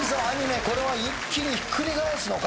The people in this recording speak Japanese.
これは一気にひっくり返すのか？